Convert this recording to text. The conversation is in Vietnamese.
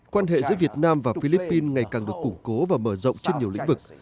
quan hệ giữa việt nam và philippines ngày càng được củng cố và mở rộng trên nhiều lĩnh vực